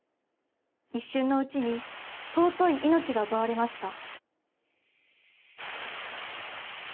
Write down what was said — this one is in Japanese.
「一瞬のうちに尊い命が奪われました」。